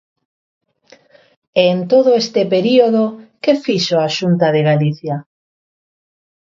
E en todo este período, ¿que fixo a Xunta de Galicia?